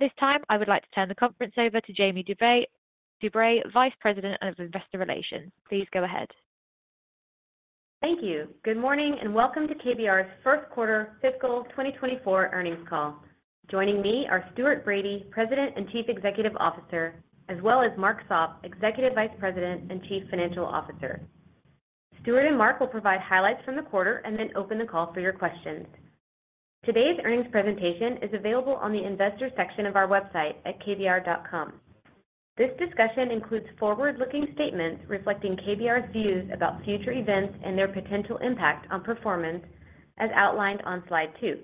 At this time, I would like to turn the conference over to Jamie DuBray, Vice President of Investor Relations. Please go ahead. Thank you. Good morning, and welcome to KBR's first quarter fiscal 2024 earnings call. Joining me are Stuart Bradie, President and Chief Executive Officer, as well as Mark Sopp, Executive Vice President and Chief Financial Officer. Stuart and Mark will provide highlights from the quarter and then open the call for your questions. Today's earnings presentation is available on the investor section of our website at kbr.com. This discussion includes forward-looking statements reflecting KBR's views about future events and their potential impact on performance, as outlined on slide two.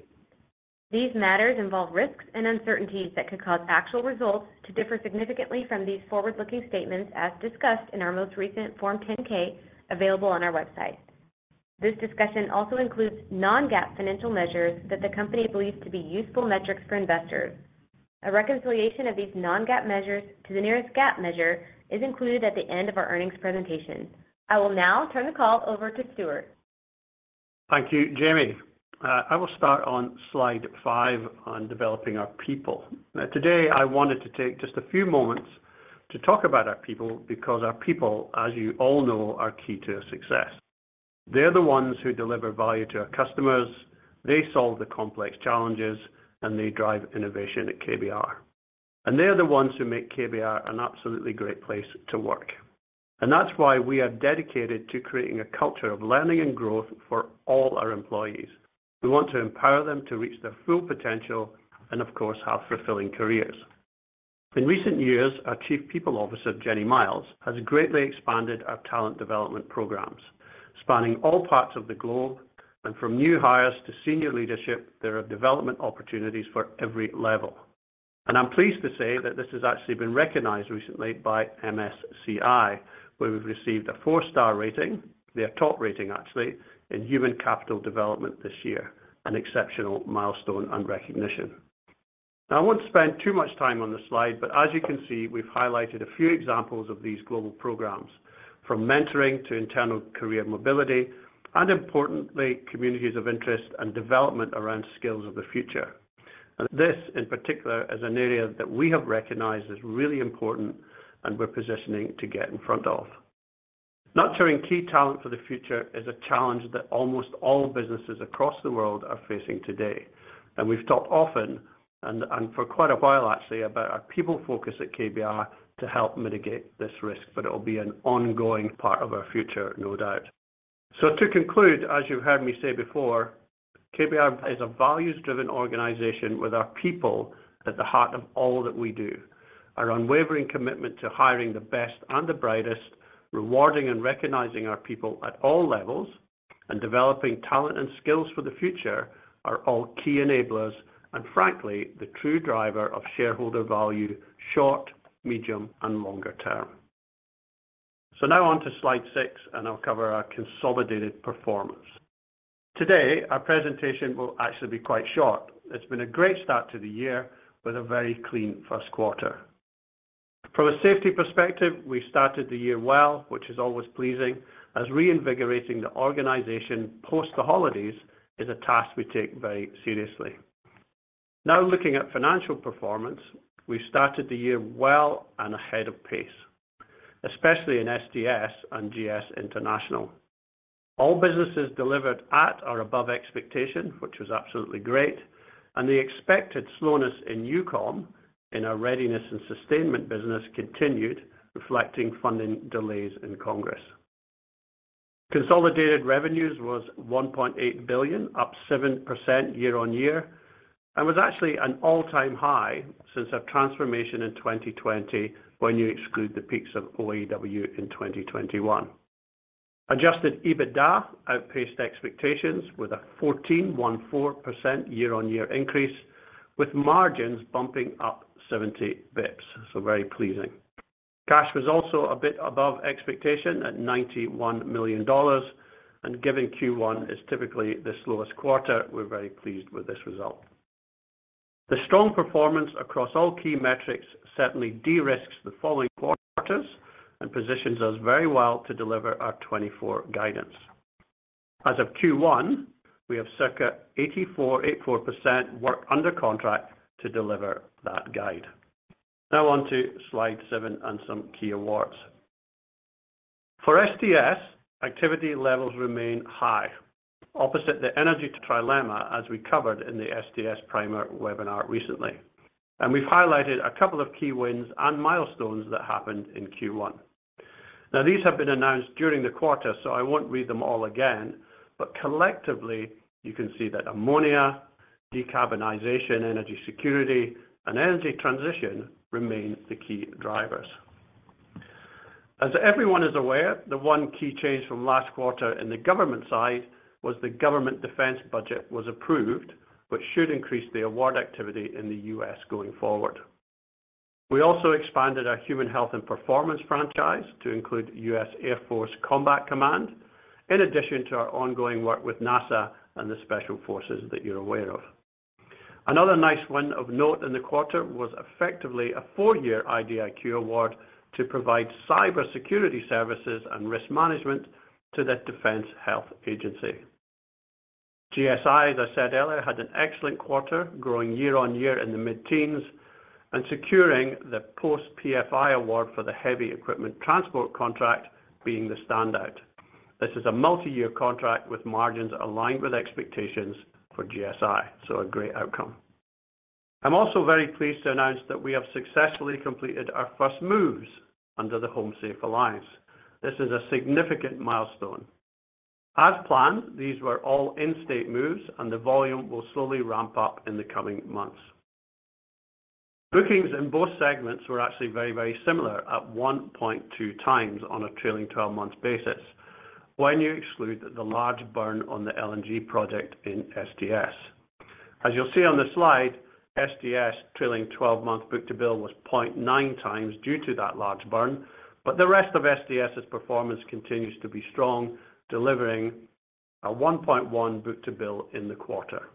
These matters involve risks and uncertainties that could cause actual results to differ significantly from these forward-looking statements, as discussed in our most recent Form 10-K, available on our website. This discussion also includes non-GAAP financial measures that the company believes to be useful metrics for investors. A reconciliation of these non-GAAP measures to the nearest GAAP measure is included at the end of our earnings presentation. I will now turn the call over to Stuart. Thank you, Jamie. I will start on slide five on developing our people. Now, today, I wanted to take just a few moments to talk about our people, because our people, as you all know, are key to our success. They're the ones who deliver value to our customers, they solve the complex challenges, and they drive innovation at KBR. They are the ones who make KBR an absolutely great place to work. And that's why we are dedicated to creating a culture of learning and growth for all our employees. We want to empower them to reach their full potential and of course, have fulfilling careers. In recent years, our Chief People Officer, Jenni Myles, has greatly expanded our talent development programs, spanning all parts of the globe, and from new hires to senior leadership, there are development opportunities for every level. I'm pleased to say that this has actually been recognized recently by MSCI, where we've received a four-star rating, their top rating, actually, in human capital development this year, an exceptional milestone and recognition. Now, I won't spend too much time on this slide, but as you can see, we've highlighted a few examples of these global programs, from mentoring to internal career mobility, and importantly, communities of interest and development around skills of the future. This, in particular, is an area that we have recognized as really important and we're positioning to get in front of. Nurturing key talent for the future is a challenge that almost all businesses across the world are facing today, and we've talked often, and for quite a while, actually, about our people focus at KBR to help mitigate this risk, but it'll be an ongoing part of our future, no doubt. So to conclude, as you've heard me say before, KBR is a values-driven organization with our people at the heart of all that we do. Our unwavering commitment to hiring the best and the brightest, rewarding and recognizing our people at all levels, and developing talent and skills for the future are all key enablers, and frankly, the true driver of shareholder value, short, medium, and longer term. So now on to slide six, and I'll cover our consolidated performance. Today, our presentation will actually be quite short. It's been a great start to the year with a very clean first quarter. From a safety perspective, we started the year well, which is always pleasing, as reinvigorating the organization post the holidays is a task we take very seriously. Now, looking at financial performance, we started the year well and ahead of pace, especially in STS and GSI. All businesses delivered at or above expectation, which was absolutely great, and the expected slowness in EUCOM, in our Readiness and Sustainment business, continued, reflecting funding delays in Congress. Consolidated revenues was $1.8 billion, up 7% year-on-year, and was actually an all-time high since our transformation in 2020, when you exclude the peaks of OAW in 2021. Adjusted EBITDA outpaced expectations with a 14% year-on-year increase, with margins bumping up 70 basis points. So very pleasing. Cash was also a bit above expectation at $91 million, and given Q1 is typically the slowest quarter, we're very pleased with this result. The strong performance across all key metrics certainly de-risks the following quarters and positions us very well to deliver our 2024 guidance. As of Q1, we have circa 84% work under contract to deliver that guide. Now on to slide seven and some key awards. For STS, activity levels remain high, opposite the energy trilemma, as we covered in the STS primer webinar recently. And we've highlighted a couple of key wins and milestones that happened in Q1. Now, these have been announced during the quarter, so I won't read them all again, but collectively, you can see that ammonia, decarbonization, energy security, and energy transition remain the key drivers. As everyone is aware, the one key change from last quarter in the government side was the government defense budget was approved, which should increase the award activity in the U.S. going forward. We also expanded our Human Health and Performance franchise to include U.S. Air Force Combat Command, in addition to our ongoing work with NASA and the Special Forces that you're aware of. Another nice win of note in the quarter was effectively a four-year IDIQ award to provide cybersecurity services and risk management to the Defense Health Agency. GSI, as I said earlier, had an excellent quarter, growing year-on-year in the mid-teens and securing the post PFI award for the heavy equipment transport contract being the standout. This is a multi-year contract with margins aligned with expectations for GSI, so a great outcome. I'm also very pleased to announce that we have successfully completed our first moves under the HomeSafe Alliance. This is a significant milestone. As planned, these were all in-state moves, and the volume will slowly ramp up in the coming months. Bookings in both segments were actually very, very similar at 1.2x on a trailing 12-month basis, when you exclude the large burn on the LNG project in STS. As you'll see on the slide, STS trailing 12-month book-to-bill was 0.9x due to that large burn, but the rest of STS's performance continues to be strong, delivering a 1.1 book-to-bill in the quarter.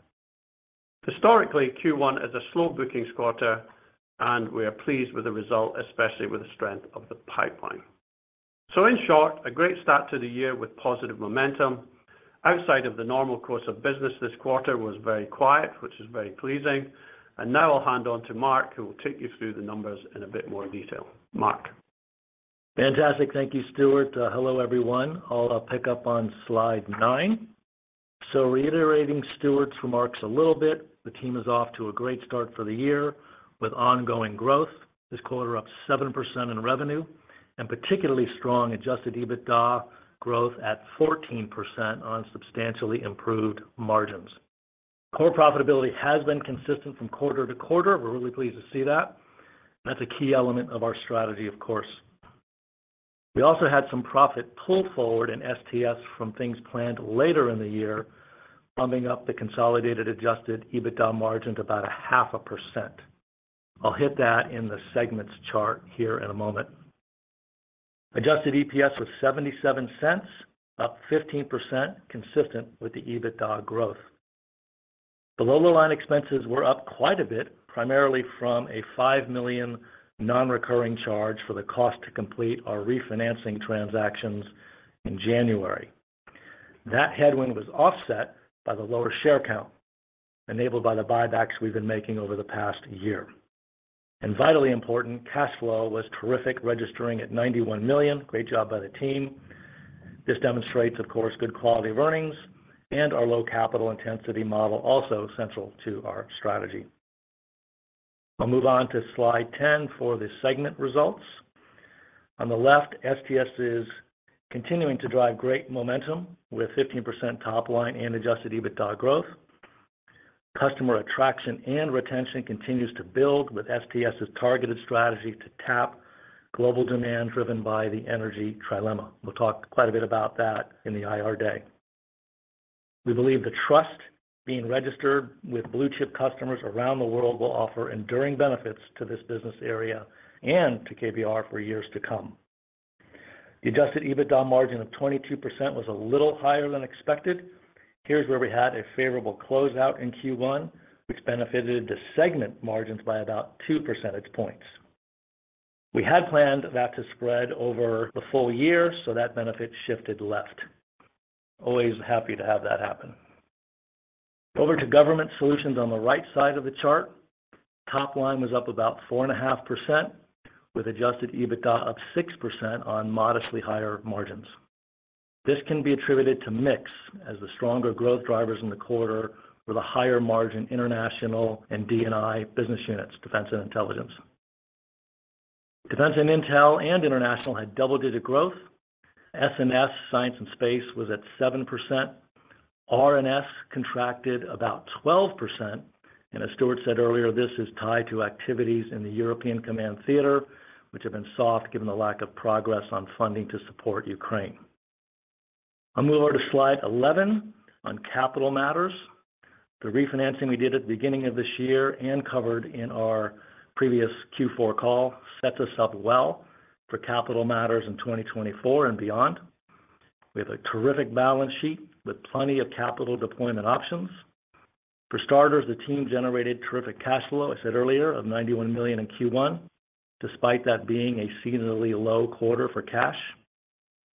Historically, Q1 is a slow bookings quarter, and we are pleased with the result, especially with the strength of the pipeline. So in short, a great start to the year with positive momentum. Outside of the normal course of business, this quarter was very quiet, which is very pleasing. Now I'll hand over to Mark, who will take you through the numbers in a bit more detail. Mark? Fantastic. Thank you, Stuart. Hello, everyone. I'll pick up on slide nine. So reiterating Stuart's remarks a little bit, the team is off to a great start for the year with ongoing growth. This quarter, up 7% in revenue, and particularly strong adjusted EBITDA growth at 14% on substantially improved margins. Core profitability has been consistent from quarter to quarter. We're really pleased to see that. That's a key element of our strategy, of course. We also had some profit pull forward in STS from things planned later in the year, bumping up the consolidated adjusted EBITDA margin to about 0.5%. I'll hit that in the segments chart here in a moment. Adjusted EPS was $0.77, up 15%, consistent with the EBITDA growth. The below-the-line expenses were up quite a bit, primarily from a $5 million non-recurring charge for the cost to complete our refinancing transactions in January. That headwind was offset by the lower share count, enabled by the buybacks we've been making over the past year. And vitally important, cash flow was terrific, registering at $91 million. Great job by the team. This demonstrates, of course, good quality earnings and our low capital intensity model, also central to our strategy. I'll move on to slide 10 for the segment results. On the left, STS is continuing to drive great momentum with 15% top line and Adjusted EBITDA growth. Customer attraction and retention continues to build, with STS's targeted strategy to tap global demand driven by the energy trilemma. We'll talk quite a bit about that in the IR day. We believe the trust being registered with blue chip customers around the world will offer enduring benefits to this business area and to KBR for years to come. The Adjusted EBITDA margin of 22% was a little higher than expected. Here's where we had a favorable closeout in Q1, which benefited the segment margins by about two percentage points. We had planned that to spread over the full year, so that benefit shifted left. Always happy to have that happen. Over to Government Solutions on the right side of the chart, top line was up about 4.5%, with Adjusted EBITDA up 6% on modestly higher margins. This can be attributed to mix, as the stronger growth drivers in the quarter were the higher margin international and D&I business units, Defense and Intelligence. Defense and intel and international had double-digit growth. S&S, Science and Space, was at 7%. R&S contracted about 12%, and as Stuart said earlier, this is tied to activities in the European Command Theater, which have been soft given the lack of progress on funding to support Ukraine. I'll move over to slide 11 on capital matters. The refinancing we did at the beginning of this year and covered in our previous Q4 call set us up well for capital matters in 2024 and beyond. We have a terrific balance sheet with plenty of capital deployment options. For starters, the team generated terrific cash flow, I said earlier, of $91 million in Q1, despite that being a seasonally low quarter for cash.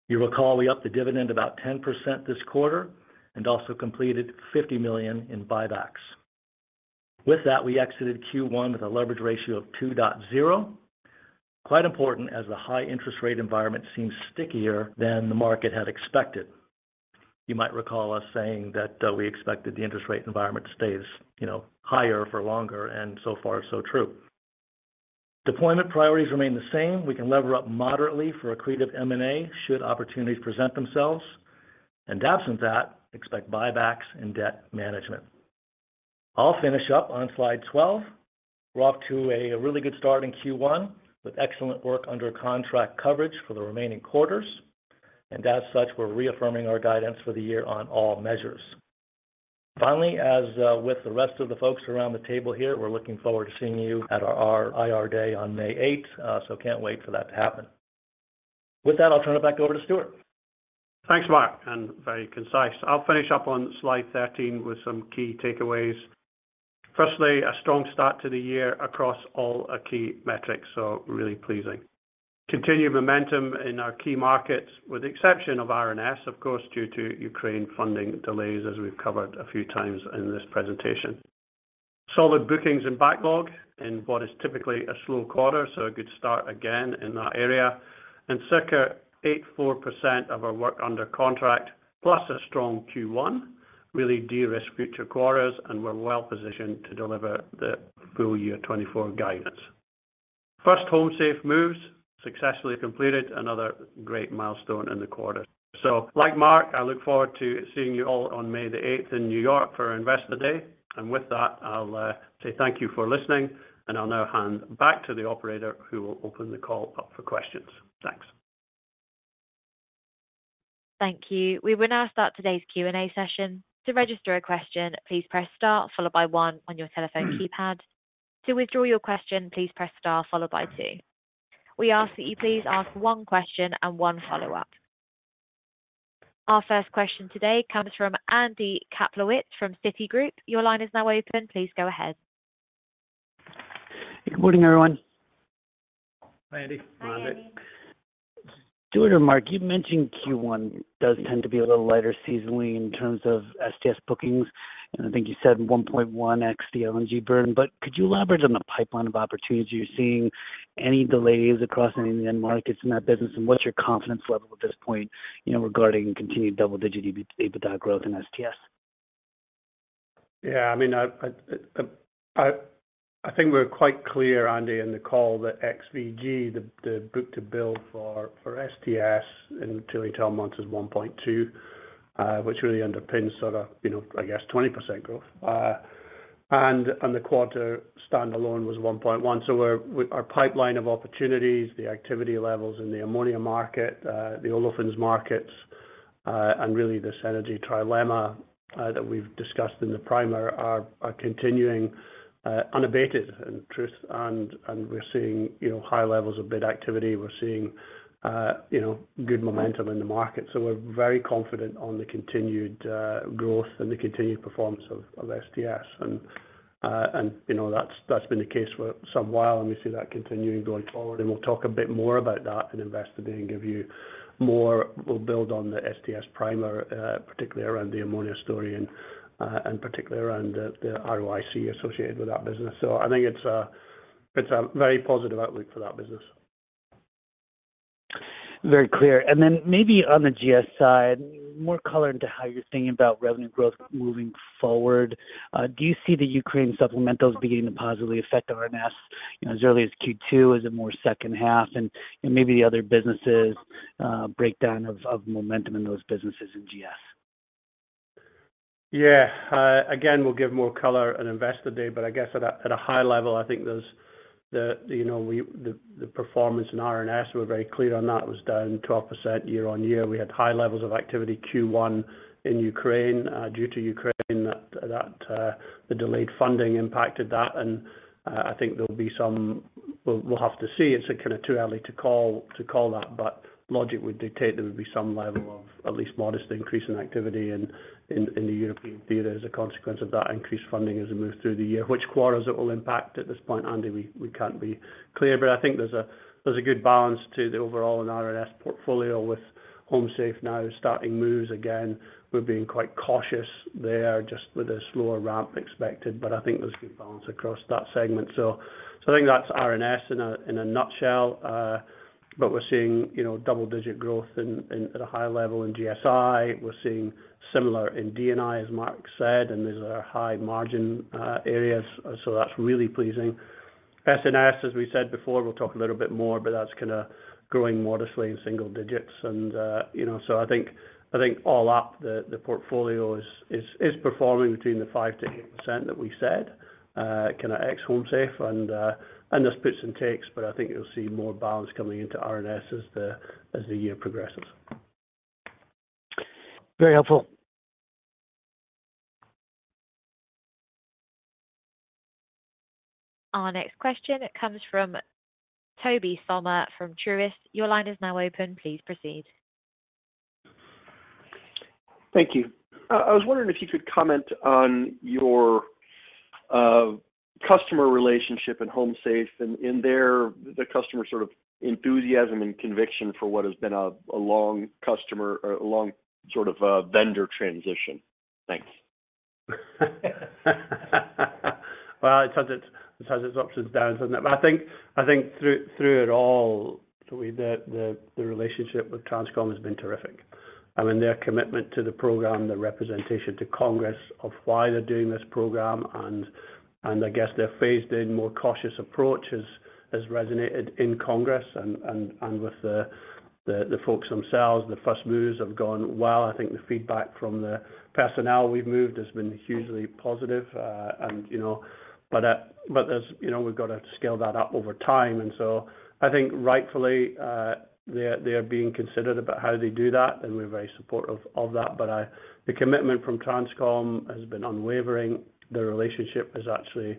You recall we upped the dividend about 10% this quarter and also completed $50 million in buybacks. With that, we exited Q1 with a leverage ratio of 2.0. Quite important, as the high interest rate environment seems stickier than the market had expected. You might recall us saying that, we expected the interest rate environment stays, you know, higher for longer, and so far, so true. Deployment priorities remain the same. We can lever up moderately for accretive M&A should opportunities present themselves, and absent that, expect buybacks and debt management. I'll finish up on slide 12. We're off to a really good start in Q1, with excellent work under contract coverage for the remaining quarters, and as such, we're reaffirming our guidance for the year on all measures. Finally, as with the rest of the folks around the table here, we're looking forward to seeing you at our IR Day on May 8th. So can't wait for that to happen. With that, I'll turn it back over to Stuart. Thanks, Mark, and very concise. I'll finish up on slide 13 with some key takeaways. First, a strong start to the year across all our key metrics, so really pleasing. Continued momentum in our key markets, with the exception of R&S, of course, due to Ukraine funding delays, as we've covered a few times in this presentation. Solid bookings and backlog in what is typically a slow quarter, so a good start again in that area, and circa 84% of our work under contract, plus a strong Q1, really de-risk future quarters, and we're well positioned to deliver the full year 2024 guidance. First HomeSafe moves successfully completed, another great milestone in the quarter. So, like Mark, I look forward to seeing you all on May the eighth in New York for Investor Day. With that, I'll say thank you for listening, and I'll now hand back to the operator, who will open the call up for questions. Thanks. Thank you. We will now start today's Q&A session. To register a question, please press star followed by one on your telephone keypad. To withdraw your question, please press star followed by two. We ask that you please ask one question and one follow-up. Our first question today comes from Andy Kaplowitz, from Citigroup. Your line is now open. Please go ahead. Good morning, everyone. Hi, Andy. Hi, Andy. Stuart or Mark, you mentioned Q1 does tend to be a little lighter seasonally in terms of STS bookings, and I think you said 1.1x, the LNG burn. But could you elaborate on the pipeline of opportunities? You're seeing any delays across any end markets in that business, and what's your confidence level at this point, you know, regarding continued double-digit EBITDA growth in STS? Yeah, I mean, I think we're quite clear, Andy, in the call that ex-VG, the book-to-bill for STS in trailing twelve months is 1.2, which really underpins sort of, you know, I guess, 20% growth. And the quarter standalone was 1.1. So our pipeline of opportunities, the activity levels in the ammonia market, the olefins markets, and really this energy trilemma that we've discussed in the primer are continuing unabated. In truth, and we're seeing, you know, high levels of bid activity. We're seeing, you know, good momentum in the market. So we're very confident on the continued growth and the continued performance of STS. You know, that's, that's been the case for some while, and we see that continuing going forward. We'll talk a bit more about that in Investor Day and give you more. We'll build on the STS primer, particularly around the ammonia story and, and particularly around the, the ROIC associated with that business. So I think it's a, it's a very positive outlook for that business. Very clear. And then maybe on the GS side, more color into how you're thinking about revenue growth moving forward. Do you see the Ukraine supplementals beginning to positively affect R&S, you know, as early as Q2? Is it more second half? And maybe the other businesses, breakdown of momentum in those businesses in GS. Yeah, again, we'll give more color in Investor Day, but I guess at a high level, I think there's, you know, the performance in R&S, we're very clear on that, was down 12% year-on-year. We had high levels of activity Q1 in Ukraine. Due to Ukraine, that, the delayed funding impacted that, and I think there'll be some... We'll have to see. It's kind of too early to call that, but logic would dictate there would be some level of at least modest increase in activity in the European theater as a consequence of that increased funding as we move through the year. Which quarters it will impact? At this point, Andy, we can't be clear, but I think there's a good balance to the overall RNS portfolio, with HomeSafe now starting moves again. We're being quite cautious there, just with a slower ramp expected, but I think there's good balance across that segment. So I think that's RNS in a nutshell, but we're seeing, you know, double-digit growth at a high level in GSI. We're seeing similar in D&I, as Mark said, and these are our high margin areas, so that's really pleasing. SNS, as we said before, we'll talk a little bit more, but that's kinda growing modestly in single digits. you know, so I think all up, the portfolio is performing between 5%-8% that we said, kinda ex HomeSafe and this puts and takes, but I think you'll see more balance coming into R&S as the year progresses. Very helpful. Our next question comes from Toby Sommer from Truist. Your line is now open. Please proceed. Thank you. I was wondering if you could comment on your customer relationship at HomeSafe and, and their, the customer sort of enthusiasm and conviction for what has been a long customer, or a long sort of vendor transition. Thanks. Well, it has its ups and downs, doesn't it? But I think through it all, the way that the relationship with Transcom has been terrific. I mean, their commitment to the program, the representation to Congress of why they're doing this program, and with the folks themselves. The first movers have gone well. I think the feedback from the personnel we've moved has been hugely positive, and, you know, but we've got to scale that up over time. And so I think rightfully, they are being cautious about how they do that, and we're very supportive of that. But the commitment from Transcom has been unwavering. The relationship is actually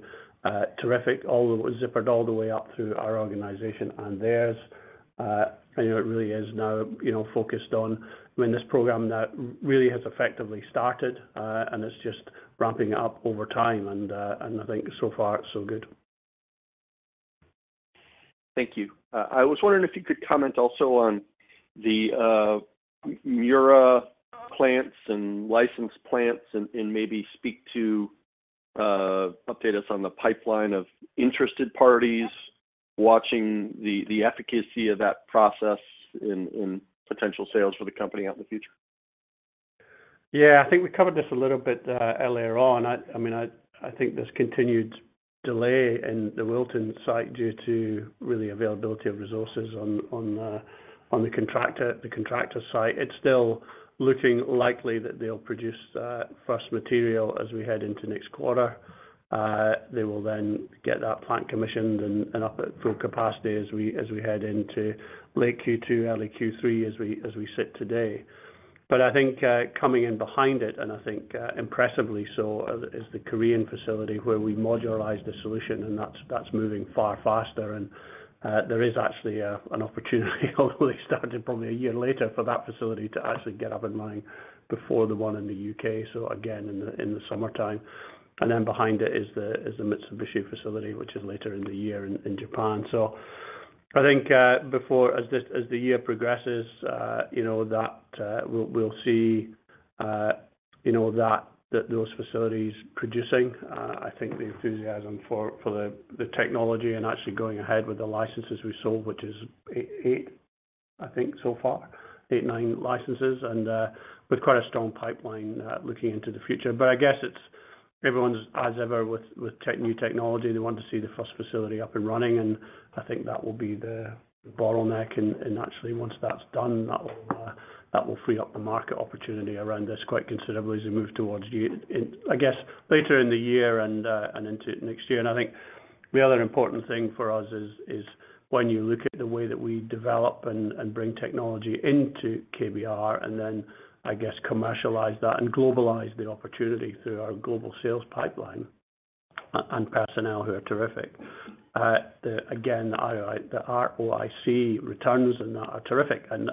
terrific, all the way—zippered all the way up through our organization and theirs. And it really is now, you know, focused on... I mean, this program now really has effectively started, and it's just ramping up over time, and, and I think so far, so good. Thank you. I was wondering if you could comment also on the Mura plants and licensed plants and maybe speak to update us on the pipeline of interested parties watching the efficacy of that process in potential sales for the company out in the future. Yeah, I think we covered this a little bit earlier on. I mean, I think this continued delay in the Wilton site due to really availability of resources on the contractor site. It's still looking likely that they'll produce first material as we head into next quarter. They will then get that plant commissioned and up at full capacity as we head into late Q2, early Q3, as we sit today. But I think, coming in behind it, and I think impressively so, is the Korean facility where we modularized the solution, and that's moving far faster. And there is actually an opportunity, although they started probably a year later, for that facility to actually get up and running before the one in the U.K. So again, in the summertime. And then behind it is the Mitsubishi facility, which is later in the year in Japan. So I think, before, as the year progresses, you know, we'll see, you know, that those facilities producing. I think the enthusiasm for the technology and actually going ahead with the licenses we sold, which is eight, I think so far, eight, nine licenses, and with quite a strong pipeline looking into the future. But I guess it's everyone's as ever, with new technology, they want to see the first facility up and running, and I think that will be the bottleneck. And actually, once that's done, that will free up the market opportunity around this quite considerably as we move towards year... In, I guess, later in the year and and into next year. And I think the other important thing for us is when you look at the way that we develop and bring technology into KBR, and then, I guess, commercialize that and globalize the opportunity through our global sales pipeline and personnel who are terrific. Again, the ROIC returns and that are terrific. And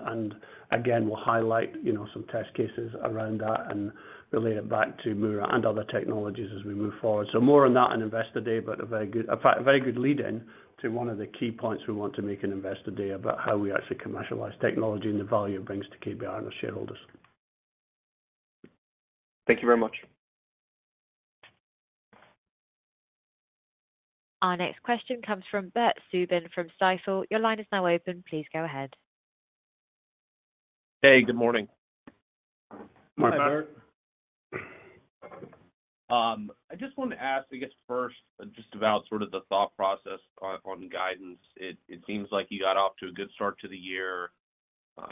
again, we'll highlight, you know, some test cases around that and relate it back to Mura and other technologies as we move forward. So more on that in Investor Day, but a very good, in fact, a very good lead-in to one of the key points we want to make in Investor Day about how we actually commercialize technology and the value it brings to KBR and the shareholders. Thank you very much. Our next question comes from Bert Subin from Stifel. Your line is now open. Please go ahead. Hey, good morning. Hi, Bert. I just wanted to ask, I guess first, just about sort of the thought process on, on guidance. It, it seems like you got off to a good start to the year.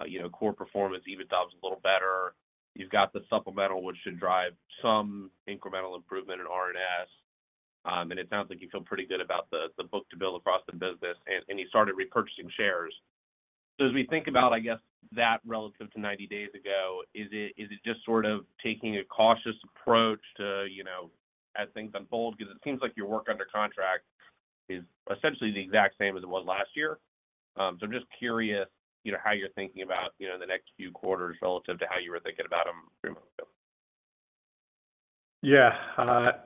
You know, core performance even though was a little better. You've got the supplemental, which should drive some incremental improvement in R&S. And it sounds like you feel pretty good about the, the book-to-bill across the business, and, and you started repurchasing shares. So as we think about, I guess, that relative to 90 days ago, is it, is it just sort of taking a cautious approach to, you know, as things unfold? Because it seems like your work under contract is essentially the exact same as it was last year. I'm just curious, you know, how you're thinking about, you know, the next few quarters relative to how you were thinking about them three months ago? Yeah.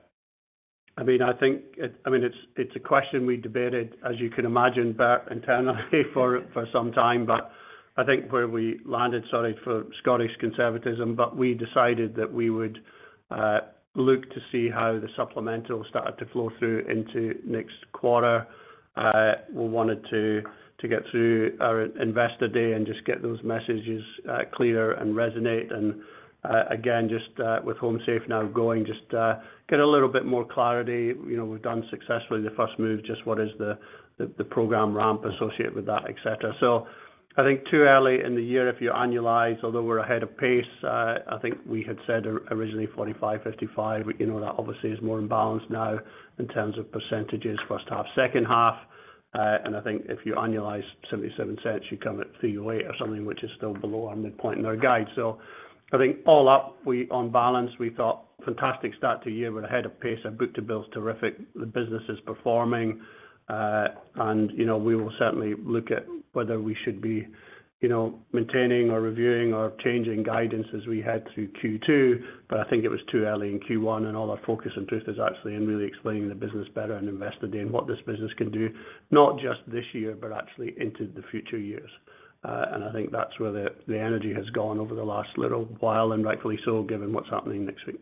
I mean, I think it... I mean, it's a question we debated, as you can imagine, Bert, internally for some time, but I think where we landed, sorry for Scottish conservatism, but we decided that we would look to see how the supplemental started to flow through into next quarter. We wanted to get through our Investor Day and just get those messages clear and resonate. And again, just with HomeSafe now going, just get a little bit more clarity. You know, we've done successfully the first move, just what is the program ramp associated with that, et cetera. So I think too early in the year, if you annualize, although we're ahead of pace, I think we had said originally 45-55. You know, that obviously is more in balance now in terms of percentages, first half, second half. And I think if you annualize $0.77, you come at $3.08 or something, which is still below our midpoint in our guide. So I think all up, we on balance, we thought fantastic start to the year. We're ahead of pace. Our book-to-bill terrific. The business is performing. And, you know, we will certainly look at whether we should be, you know, maintaining or reviewing or changing guidance as we head through Q2, but I think it was too early in Q1, and all our focus and truth is actually in really explaining the business better and Investor Day, and what this business can do, not just this year, but actually into the future years. and I think that's where the energy has gone over the last little while, and rightfully so, given what's happening next week.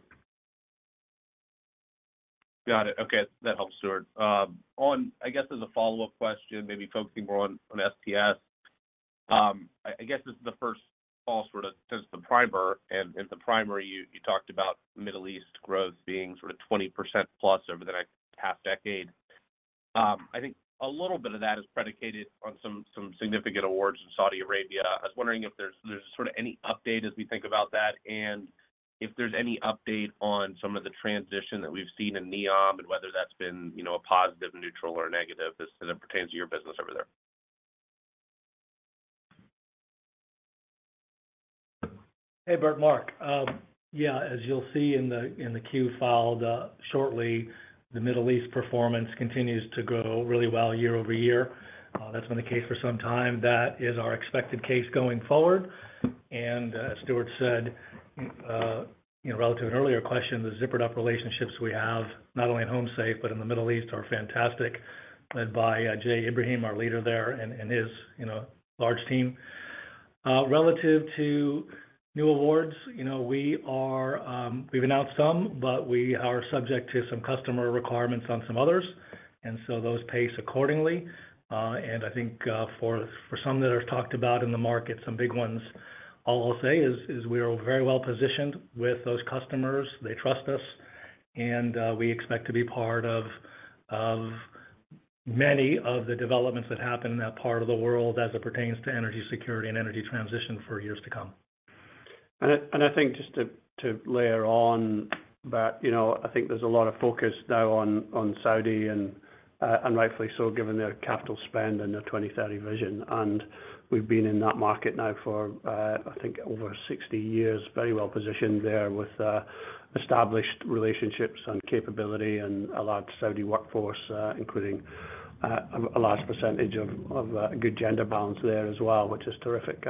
Got it. Okay, that helps, Stuart. I guess as a follow-up question, maybe focusing more on STS. I guess this is the first call sort of since the primer, and in the primer, you talked about Middle East growth being sort of 20%+ over the next half decade. I think a little bit of that is predicated on some significant awards in Saudi Arabia. I was wondering if there's sort of any update as we think about that, and if there's any update on some of the transition that we've seen in NEOM and whether that's been, you know, a positive, neutral, or negative as it pertains to your business over there? Hey, Bert, Mark. Yeah, as you'll see in the Q file shortly, the Middle East performance continues to grow really well year over year. That's been the case for some time. That is our expected case going forward. Stuart said, you know, relative to an earlier question, the zippered up relationships we have, not only in HomeSafe, but in the Middle East, are fantastic, led by Jay Ibrahim, our leader there, and his, you know, large team... Relative to new awards, you know, we've announced some, but we are subject to some customer requirements on some others, and so those pace accordingly. I think, for some that are talked about in the market, some big ones, all I'll say is we are very well positioned with those customers. They trust us, and we expect to be part of many of the developments that happen in that part of the world as it pertains to energy security and energy transition for years to come. And I think just to layer on, but you know, I think there's a lot of focus now on Saudi and rightfully so, given their capital spend and their 2030 vision. And we've been in that market now for I think over 60 years. Very well positioned there with established relationships and capability and a large Saudi workforce, including a large percentage of good gender balance there as well, which is terrific.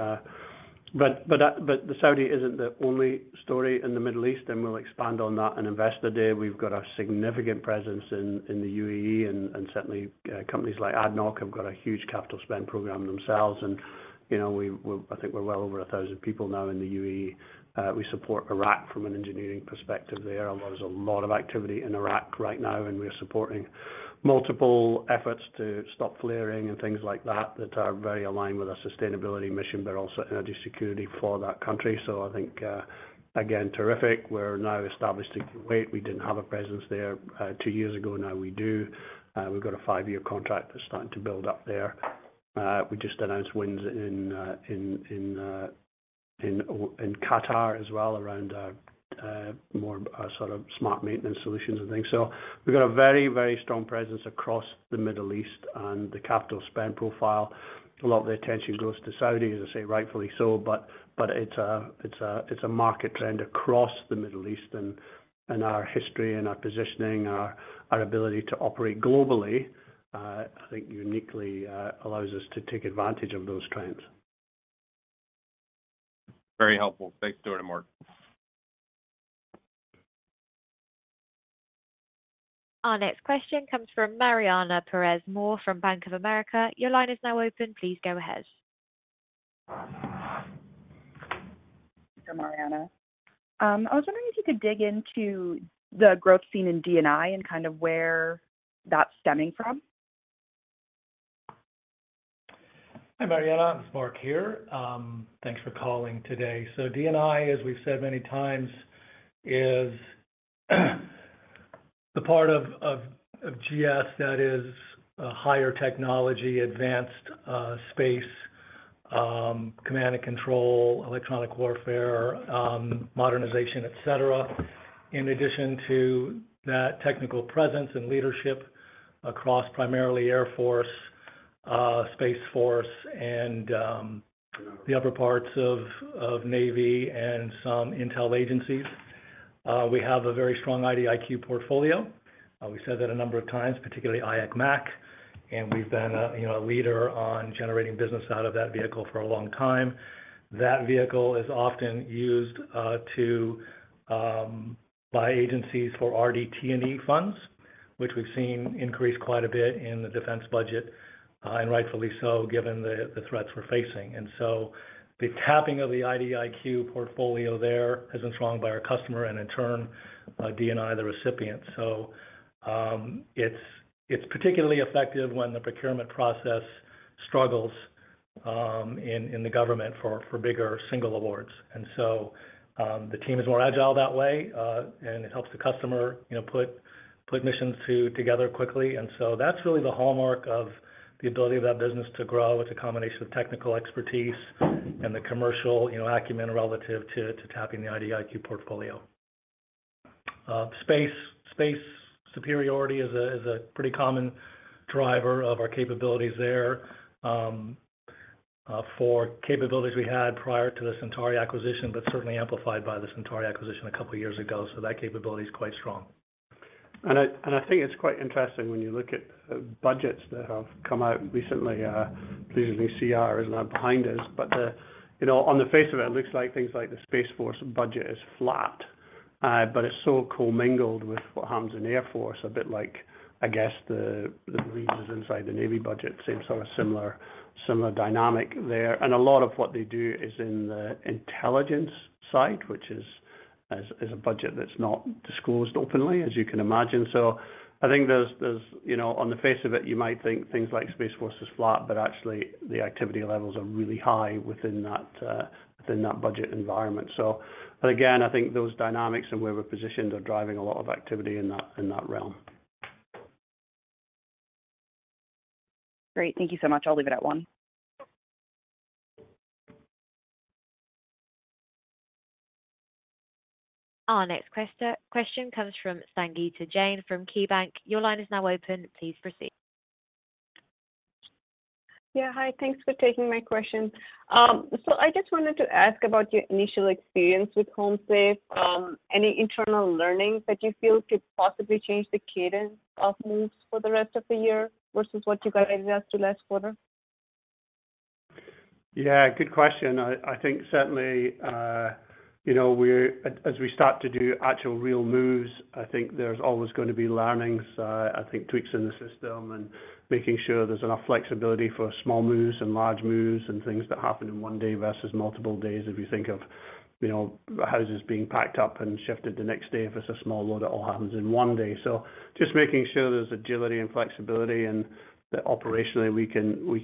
But the Saudi isn't the only story in the Middle East, and we'll expand on that in Investor Day. We've got a significant presence in the UAE, and certainly companies like ADNOC have got a huge capital spend program themselves. And you know, I think we're well over 1,000 people now in the UAE. We support Iraq from an engineering perspective there. There's a lot of activity in Iraq right now, and we're supporting multiple efforts to stop flaring and things like that, that are very aligned with our sustainability mission, but also energy security for that country. So I think, again, terrific. We're now established in Kuwait. We didn't have a presence there, two years ago, now we do. We've got a five-year contract that's starting to build up there. We just announced wins in Qatar as well around more sort of smart maintenance solutions and things. So we've got a very, very strong presence across the Middle East and the capital spend profile. A lot of the attention goes to Saudi, as I say, rightfully so, but it's a market trend across the Middle East, and our history and our positioning, our ability to operate globally, I think uniquely, allows us to take advantage of those trends. Very helpful. Thanks, Stuart and Mark. Our next question comes from Mariana Perez Mora from Bank of America. Your line is now open. Please go ahead. Thank you, Mariana. I was wondering if you could dig into the growth seen in D&I and kind of where that's stemming from. Hi, Mariana. It's Mark here. Thanks for calling today. So D&I, as we've said many times, is the part of GS that is a higher technology advanced space command and control, electronic warfare modernization, et cetera. In addition to that technical presence and leadership across primarily Air Force Space Force, and the upper parts of Navy and some intel agencies, we have a very strong IDIQ portfolio. We've said that a number of times, particularly IAC MAC, and we've been a you know a leader on generating business out of that vehicle for a long time. That vehicle is often used by agencies for RDT&E funds, which we've seen increase quite a bit in the defense budget and rightfully so, given the threats we're facing. And so the tapping of the IDIQ portfolio there has been strong by our customer and in turn, DNI, the recipient. So, it's particularly effective when the procurement process struggles in the government for bigger single awards. The team is more agile that way, and it helps the customer, you know, put missions together quickly. That's really the hallmark of the ability of that business to grow. It's a combination of technical expertise and the commercial, you know, acumen relative to tapping the IDIQ portfolio. Space superiority is a pretty common driver of our capabilities there for capabilities we had prior to the Centauri acquisition, but certainly amplified by the Centauri acquisition a couple of years ago. So that capability is quite strong. I think it's quite interesting when you look at budgets that have come out recently. Hopefully, the CR is now behind us, but you know, on the face of it, it looks like things like the Space Force budget is flat, but it's so commingled with what happens in the Air Force, a bit like, I guess, the Marines inside the Navy budget. Same sort of similar dynamic there. And a lot of what they do is in the intelligence side, which is, as a budget that's not disclosed openly, as you can imagine. So I think there's you know, on the face of it, you might think things like Space Force is flat, but actually the activity levels are really high within that budget environment. So, but again, I think those dynamics and where we're positioned are driving a lot of activity in that, in that realm. Great. Thank you so much. I'll leave it at one. Our next question comes from Sangeeta Jain, from KeyBanc. Your line is now open. Please proceed. Yeah, hi, thanks for taking my question. So I just wanted to ask about your initial experience with HomeSafe. Any internal learnings that you feel could possibly change the cadence of moves for the rest of the year versus what you guys adjusted last quarter? Yeah, good question. I think certainly, you know, we're as we start to do actual real moves, I think there's always going to be learnings, I think tweaks in the system and making sure there's enough flexibility for small moves and large moves and things that happen in one day versus multiple days. If you think of, you know, houses being packed up and shifted the next day. If it's a small load, it all happens in one day. So just making sure there's agility and flexibility and that operationally we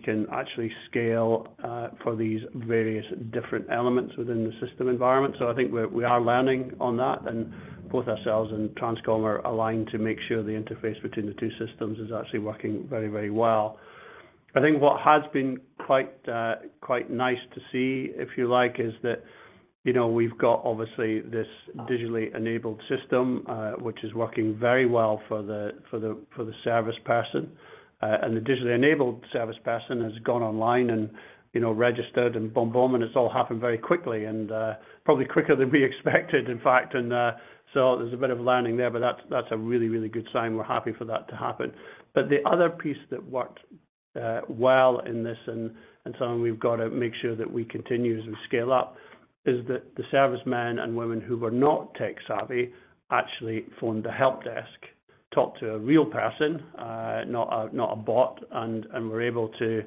can actually scale, for these various different elements within the system environment. So I think we're, we are learning on that, and both ourselves and Transcom are aligned to make sure the interface between the two systems is actually working very, very well. I think what has been quite, quite nice to see, if you like, is that, you know, we've got obviously this digitally enabled system, which is working very well for the service person. And the digitally enabled service person has gone online and, you know, registered and boom, boom, and it's all happened very quickly and, probably quicker than we expected, in fact. And so there's a bit of learning there, but that's a really, really good sign. We're happy for that to happen. But the other piece that worked well in this, and so we've got to make sure that we continue as we scale up, is that the servicemen and women who were not tech-savvy actually phoned the help desk, talked to a real person, not a bot, and were able to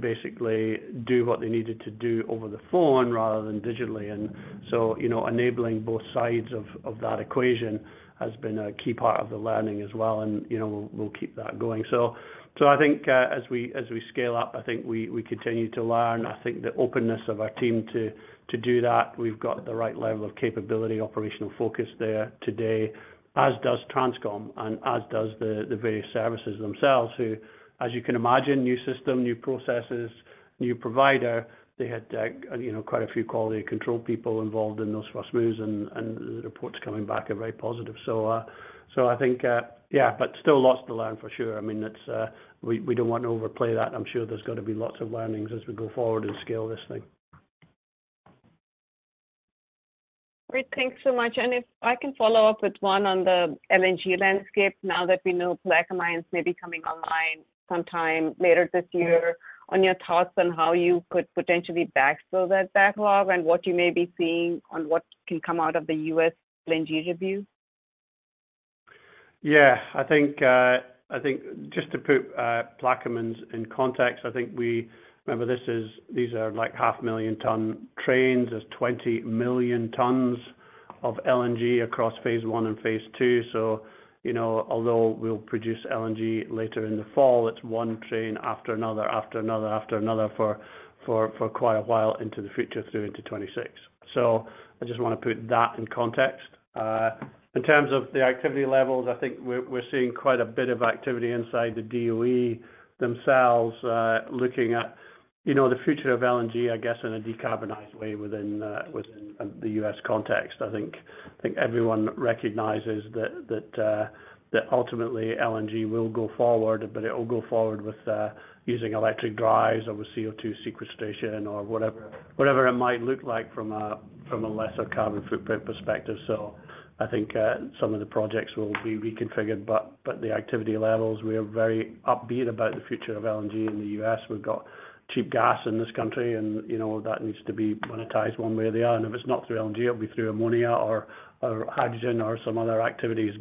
basically do what they needed to do over the phone rather than digitally. And so, you know, enabling both sides of that equation has been a key part of the learning as well, and you know, we'll keep that going. So I think, as we scale up, I think we continue to learn. I think the openness of our team to do that, we've got the right level of capability, operational focus there today, as does Transcom and as does the various services themselves, who, as you can imagine, new system, new processes, new provider, they had you know, quite a few quality control people involved in those first moves, and the reports coming back are very positive. So, so I think, yeah, but still lots to learn for sure. I mean, it's... We don't want to overplay that. I'm sure there's going to be lots of learnings as we go forward and scale this thing. Great. Thanks so much. If I can follow up with one on the LNG landscape, now that we know Plaquemines may be coming online sometime later this year, on your thoughts on how you could potentially backfill that backlog and what you may be seeing on what can come out of the U.S. LNG review? Yeah. I think, I think just to put Plaquemines in context, I think we. Remember, this is, these are like 500,000-ton trains. There's 20 million tons of LNG across phase I and phase II. So, you know, although we'll produce LNG later in the fall, it's one train after another, after another, after another for quite a while into the future, through into 2026. So I just want to put that in context. In terms of the activity levels, I think we're seeing quite a bit of activity inside the DOE themselves, looking at, you know, the future of LNG, I guess, in a decarbonized way within the U.S. context. I think everyone recognizes that that ultimately LNG will go forward, but it will go forward with using electric drives or with CO2 sequestration or whatever it might look like from a lesser carbon footprint perspective. So I think some of the projects will be reconfigured, but the activity levels, we are very upbeat about the future of LNG in the U.S. We've got cheap gas in this country, and, you know, that needs to be monetized one way or the other. And if it's not through LNG, it'll be through ammonia or hydrogen or some other activities.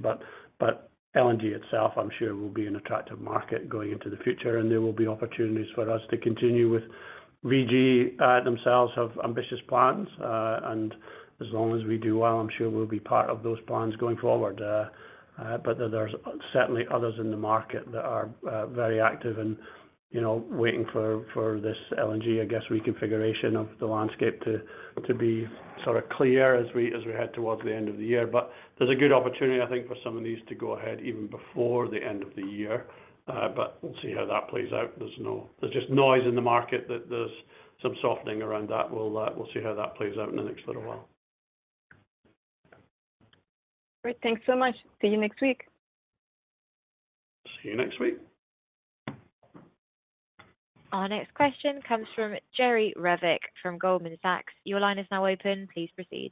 But LNG itself, I'm sure, will be an attractive market going into the future, and there will be opportunities for us to continue with. VG themselves have ambitious plans, and as long as we do well, I'm sure we'll be part of those plans going forward. But there's certainly others in the market that are very active and, you know, waiting for this LNG, I guess, reconfiguration of the landscape to be sort of clear as we head towards the end of the year. But there's a good opportunity, I think, for some of these to go ahead even before the end of the year. But we'll see how that plays out. There's no, there's just noise in the market that there's some softening around that. We'll see how that plays out in the next little while. Great. Thanks so much. See you next week. See you next week. Our next question comes from Jerry Revich from Goldman Sachs. Your line is now open. Please proceed.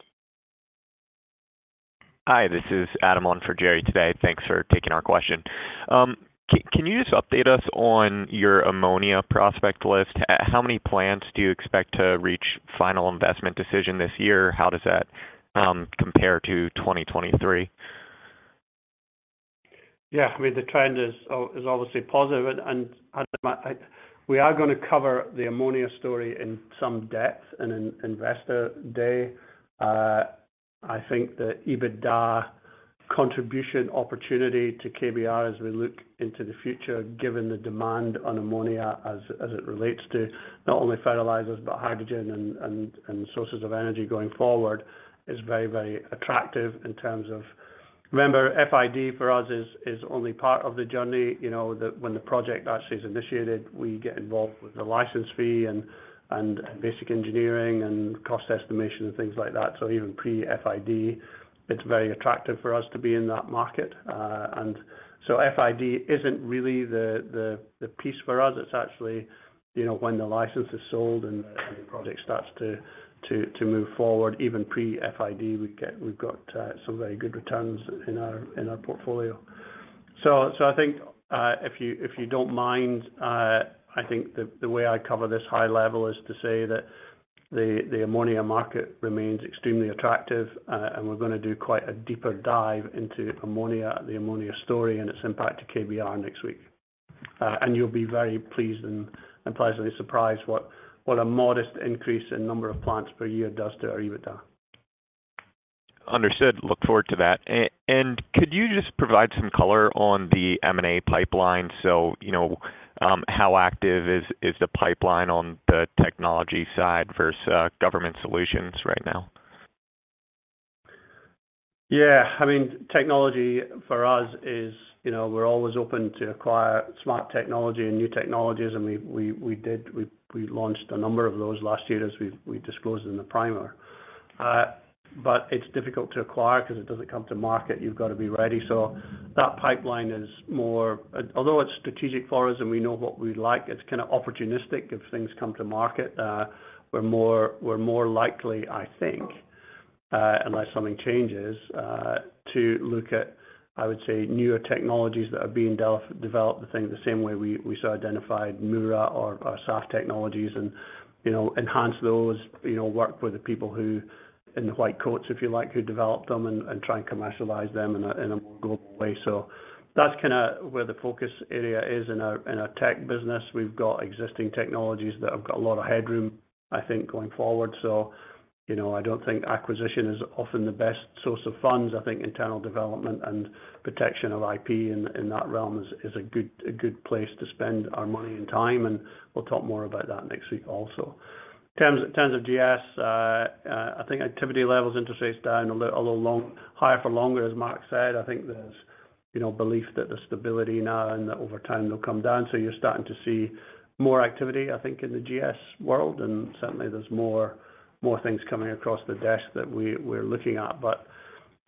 Hi, this is Adam on for Jerry today. Thanks for taking our question. Can you just update us on your ammonia prospect list? How many plants do you expect to reach final investment decision this year? How does that compare to 2023? Yeah, I mean, the trend is obviously positive. And, Adam, we are going to cover the ammonia story in some depth in an investor day. I think the EBITDA contribution opportunity to KBR as we look into the future, given the demand on ammonia as it relates to not only fertilizers, but hydrogen and sources of energy going forward, is very, very attractive in terms of... Remember, FID for us is only part of the journey. You know, when the project actually is initiated, we get involved with the license fee and basic engineering and cost estimation and things like that. So even pre-FID, it's very attractive for us to be in that market. And so FID isn't really the piece for us. It's actually, you know, when the license is sold and the project starts to move forward. Even pre-FID, we've got some very good returns in our portfolio. So I think, if you don't mind, I think the way I cover this high level is to say that the ammonia market remains extremely attractive, and we're gonna do quite a deeper dive into ammonia, the ammonia story, and its impact to KBR next week. And you'll be very pleased and pleasantly surprised what a modest increase in number of plants per year does to EBITDA. Understood. Look forward to that. And could you just provide some color on the M&A pipeline? So, you know, how active is the pipeline on the technology side versus government solutions right now? Yeah, I mean, technology for us is, you know, we're always open to acquire smart technology and new technologies, and we did, we launched a number of those last year as we disclosed in the primer. But it's difficult to acquire because it doesn't come to market. You've got to be ready. So that pipeline is more... Although it's strategic for us and we know what we like, it's kinda opportunistic. If things come to market, we're more, we're more likely, I think, unless something changes, to look at, I would say, newer technologies that are being developed, the same, the same way we, we so identified Mura or, or SAF technologies and, you know, enhance those, you know, work with the people who, in the white coats, if you like, who develop them, and, and try and commercialize them in a, in a more global way. So that's kinda where the focus area is in our, in our tech business. We've got existing technologies that have got a lot of headroom, I think, going forward. So, you know, I don't think acquisition is often the best source of funds. I think internal development and protection of IP in that realm is a good place to spend our money and time, and we'll talk more about that next week also. In terms of GS, I think activity levels are facing down a little, a little longer, higher for longer, as Mark said. I think there's, you know, belief that the stability now and over time they'll come down. So you're starting to see more activity, I think, in the GS world, and certainly there's more things coming across the desk that we're looking at. But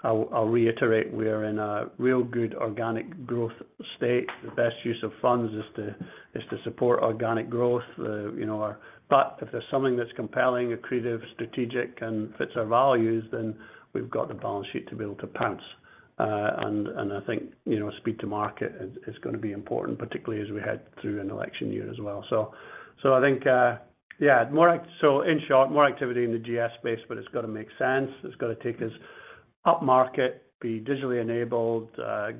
I'll reiterate, we're in a real good organic growth state. The best use of funds is to support organic growth. You know, but if there's something that's compelling, accretive, strategic, and fits our values, then we've got the balance sheet to be able to pounce. And, and I think, you know, speed to market is, is gonna be important, particularly as we head through an election year as well. So, so I think, yeah, more activity in the GS space, but it's got to make sense. It's got to take us upmarket, be digitally enabled,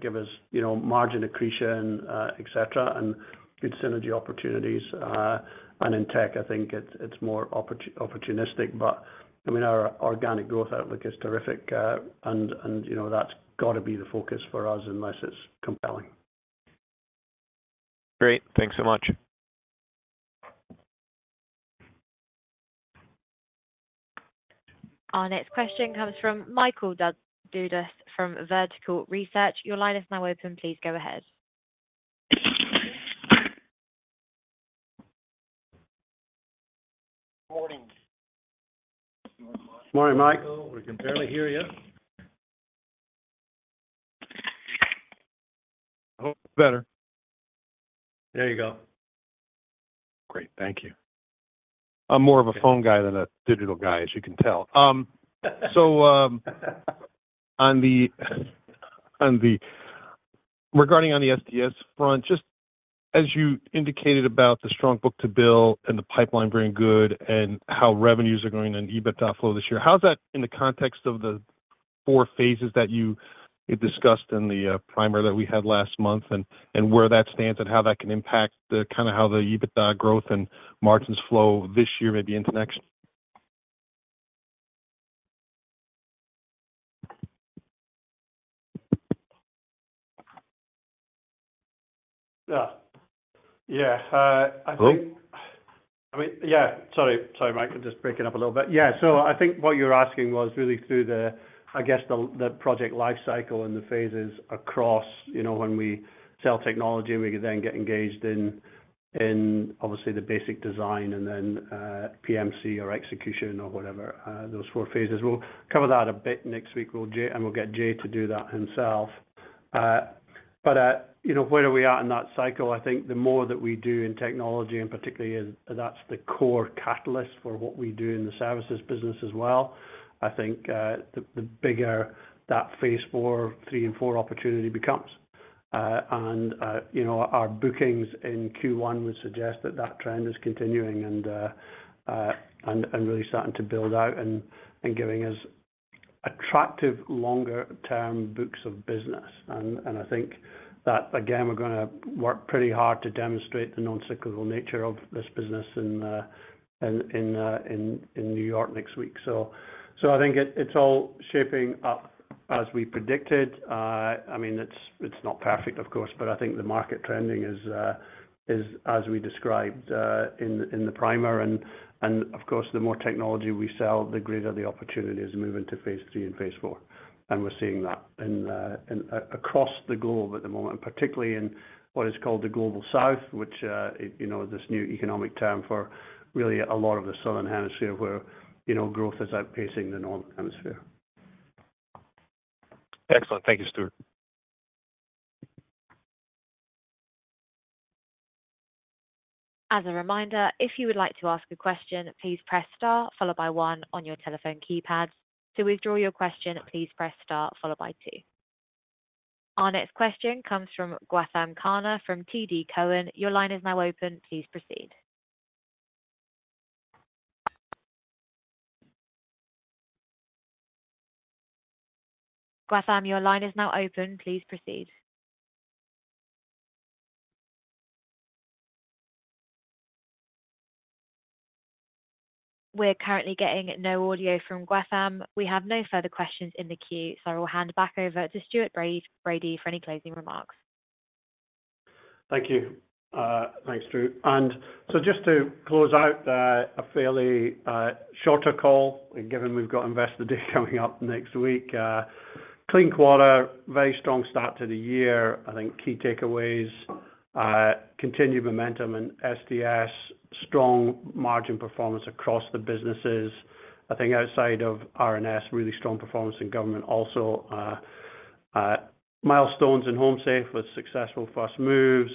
give us, you know, margin accretion, et cetera, and good synergy opportunities. And in tech, I think it's more opportunistic, but, I mean, our organic growth outlook is terrific, and, and, you know, that's got to be the focus for us unless it's compelling. Great. Thanks so much. Our next question comes from Michael Dudas from Vertical Research. Your line is now open. Please go ahead. Good morning. Morning, Mike. We can barely hear you. I hope it's better. There you go. Great, thank you. I'm more of a phone guy than a digital guy, as you can tell. So, regarding the STS front, just as you indicated about the strong book-to-bill and the pipeline being good and how revenues are going and EBITDA flow this year, how is that in the context of the four phases that you discussed in the primer that we had last month, and where that stands and how that can impact the, kinda how the EBITDA growth and margins flow this year, maybe into next? Yeah. Yeah, I think- Hello? I mean, yeah, sorry, sorry, Mike. We're just breaking up a little bit. Yeah, so I think what you're asking was really through the, I guess, the project life cycle and the phases across, you know, when we sell technology, we can then get engaged in, in obviously the basic design and then, PMC or execution or whatever, those four phases. We'll cover that a bit next week, and we'll get Jay to do that himself. But, you know, where are we at in that cycle? I think the more that we do in technology, and particularly, as that's the core catalyst for what we do in the services business as well, I think, the bigger that phase IV, III and IV opportunity becomes, and, you know, our bookings in Q1 would suggest that that trend is continuing and, and really starting to build out and, giving us attractive, longer term books of business. And, I think that, again, we're gonna work pretty hard to demonstrate the non-cyclical nature of this business in, in New York next week. So, I think it, it's all shaping up as we predicted. I mean, it's not perfect, of course, but I think the market trending is, is as we described, in the primer. Of course, the more technology we sell, the greater the opportunity is moving to phase III and phase IV. And we're seeing that across the globe at the moment, particularly in what is called the Global South, which, you know, this new economic term for really a lot of the Southern Hemisphere where, you know, growth is outpacing the Northern Hemisphere. Excellent. Thank you, Stuart. As a reminder, if you would like to ask a question, please press star followed by one on your telephone keypad. To withdraw your question, please press star followed by two. Our next question comes from Gautam Khanna from TD Cowen. Your line is now open. Please proceed. Gautam, your line is now open. Please proceed. We're currently getting no audio from Gautam. We have no further questions in the queue, so I will hand it back over to Stuart Bradie, for any closing remarks. Thank you. Thanks, Drew. And so just to close out, a fairly shorter call, given we've got Investor Day coming up next week. Clean quarter, very strong start to the year. I think key takeaways, continued momentum in STS, strong margin performance across the businesses. I think outside of R&S, really strong performance in government also, milestones in HomeSafe with successful first moves,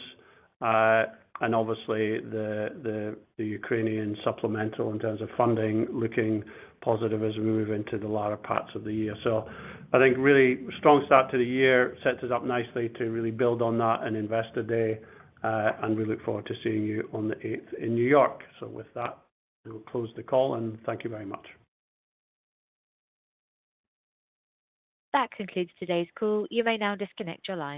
and obviously the Ukrainian supplemental in terms of funding, looking positive as we move into the latter parts of the year. So I think really strong start to the year, sets us up nicely to really build on that in Investor Day, and we look forward to seeing you on the eighth in New York. So with that, we'll close the call and thank you very much. That concludes today's call. You may now disconnect your line.